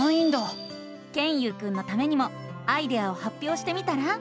ケンユウくんのためにもアイデアをはっぴょうしてみたら？